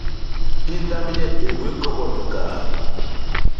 Hi ndap yem i gwéé kobot bikaat.